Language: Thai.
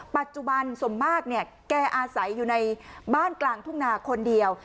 ปัจจุบันสมมากเนี่ยแกอาศัยอยู่ในบ้านกลางทุ่งนาคนเดียว